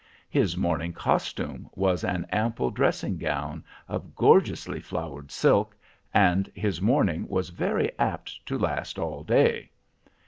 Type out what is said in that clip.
His morning costume was an ample dressing gown of gorgeously flowered silk, and his morning was very apt to last all day.